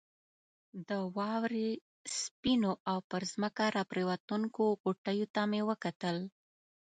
د واورې سپینو او پر ځمکه راپرېوتونکو غټیو ته مو کتل.